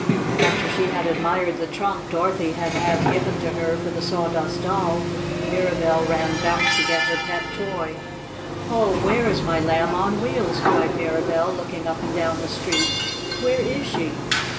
After she had admired the trunk Dorothy had had given to her for the Sawdust Doll, Mirabell ran back to get her pet toy. "Oh, where is my Lamb on Wheels?" cried Mirabell, looking up and down the street. "Where is she?"